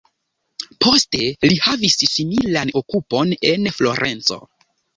Poste li havis similan okupon en Florenco.